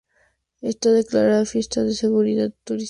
Está declarada Fiesta de Singularidad Turístico Provincial.